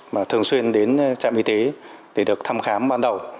mà thường xuyên đến trạm y tế để được thăm khám ban đầu